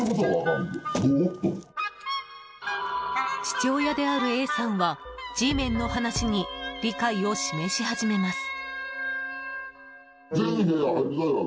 父親であるＡさんはＧメンの話に理解を示し始めます。